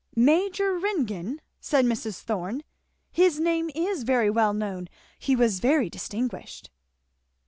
"Major Ringgan!" said Mrs. Thorn; "his name is very well known; he was very distinguished."